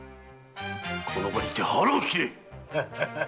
この場にて腹を切れ！